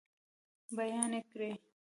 بیان یې کړئ.